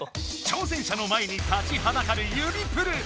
挑戦者の前に立ちはだかる指プル！